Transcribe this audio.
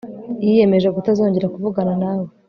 Yiyemeje kutazongera kuvugana nawe